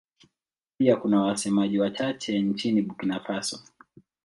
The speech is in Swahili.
Pia kuna wasemaji wachache nchini Burkina Faso.